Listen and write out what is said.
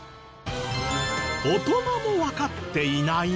大人もわかっていない！？